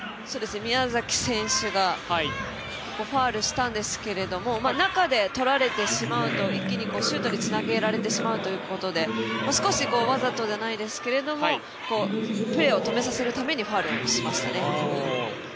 宮崎選手がファウルしたんですけども中でとられてしまうと一気にシュートにつなげられてしまうということで少し、わざとじゃないですけどプレーを止めさせるためにファウルをしましたね。